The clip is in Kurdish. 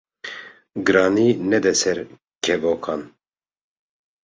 Giranî nede ser kevokan